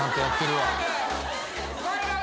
はい。